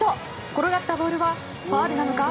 転がったボールはファウルなのか？